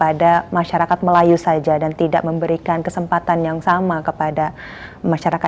anda yakin barbara masyarakatnya tidak akan memberikan kesempatan yang sama staat kuasa indonesia dan india